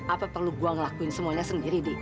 apa perlu gua ngelakuin semuanya sendiri di